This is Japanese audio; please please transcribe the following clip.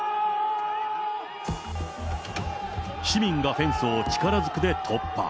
市民がフェンスを力ずくで突破。